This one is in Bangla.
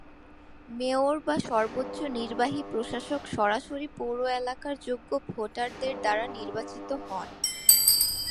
মেয়র বা সর্বোচ্চ নির্বাহী প্রশাসক সরাসরি পৌর এলাকার যোগ্য ভোটারদের দ্বারা নির্বাচিত হন।